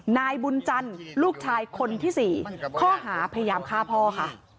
นายบุญจันทร์ลูกชายคนที่๔ข้อหาพยายามฆ่าพ่อค่ะ